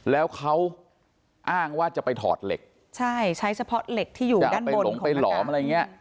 แล้วเขาอ้างว่าจะไปถอดเหล็กใช่ใช้เฉพาะเหล็กที่อยู่ด้านบนไปหลงไปหลอมอะไรอย่างเงี้ย